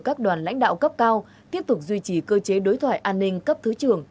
các đoàn lãnh đạo cấp cao tiếp tục duy trì cơ chế đối thoại an ninh cấp thứ trưởng